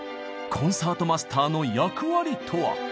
コンサートマスターの役割とは？